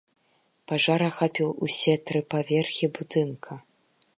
Пажар ахапіў усе тры паверхі будынка.